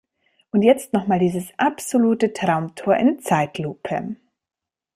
Und jetzt noch mal dieses absolute Traumtor in Zeitlupe!